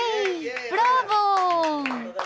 ブラボー！